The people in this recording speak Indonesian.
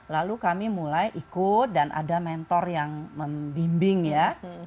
lalu kami mulai ikut dan ada mentor yang membimbing ya